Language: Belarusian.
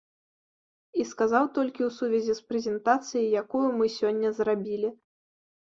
І сказаў толькі ў сувязі з прэзентацыяй, якую мы сёння зрабілі.